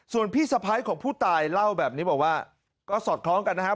ส่วนพี่สะพ้ายของผู้ตายเล่าแบบนี้บอกว่าก็สอดคล้องกันนะครับ